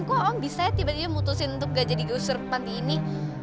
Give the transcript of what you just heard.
kok om bisa tiba tiba mutusin untuk nggak jadi digusur panti ini